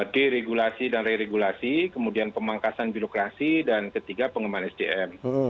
deregulasi dan re regulasi kemudian pemangkasan bilokrasi dan ketiga pengembangan sdm